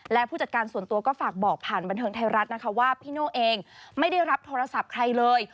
และผู้จัดการส่วนตัวก็ฝากบอกผ่านบันเทิงไทยรัฐนะคะว่าพี่โน่เองไม่ได้รับโทรศัพท์ใครเลย